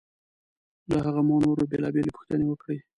له هغه مو نورې بېلابېلې پوښتنې وکړې.